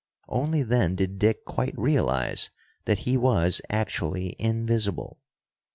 Only then did Dick quite realize that he was actually invisible.